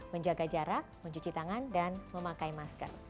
menjaga jarak mencuci tangan dan memakai masker